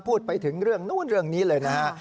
พูดไปถึงเรื่องนู้นเรื่องนี้เลยนะฮะ